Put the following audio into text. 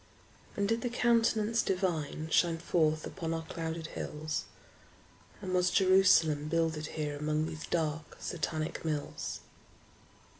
And did the Countenance Divine Shine forth upon our clouded hills? And was Jerusalem builded here Among these dark Satanic mills?